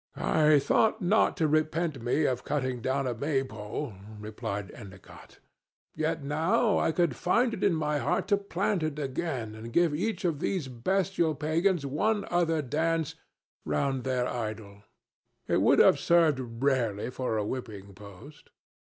"I thought not to repent me of cutting down a Maypole," replied Endicott, "yet now I could find in my heart to plant it again and give each of these bestial pagans one other dance round their idol. It would have served rarely for a whipping post."